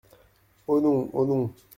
Oh non ! oh non !